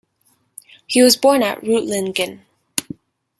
He was born at Reutlingen.